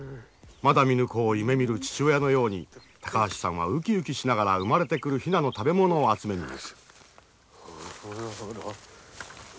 まだ見ぬ子を夢みる父親のように高橋さんはうきうきしながら生まれてくるヒナの食べ物を集めに行く。